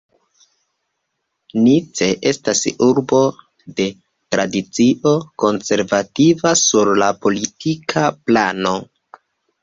Nice estas urbo de tradicio konservativa sur la politika plano.